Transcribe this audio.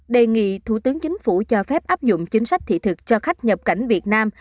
đề nghị thủ tướng chính phủ cho phép áp dụng chính sách thị thực cho khách nhập cảnh việt nam